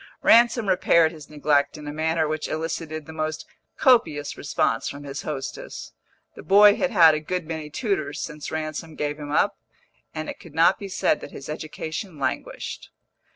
Ransom repaired his neglect in a manner which elicited the most copious response from his hostess. The boy had had a good many tutors since Ransom gave him up, and it could not be said that his education languished.